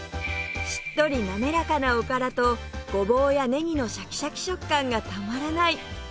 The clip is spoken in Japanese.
しっとりなめらかなおからとごぼうやねぎのシャキシャキ食感がたまらない！